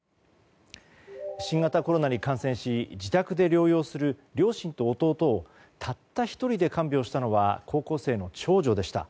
新型コロナに感染し自宅で療養する両親と弟をたった１人で看病したのは高校生の長女でした。